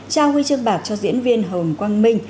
trao huy chương bạc cho diễn viên hồng quang minh